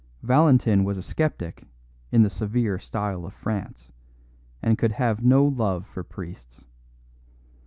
Valentin was a sceptic in the severe style of France, and could have no love for priests.